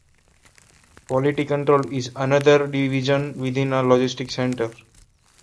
Quality control is another division within a logistics center.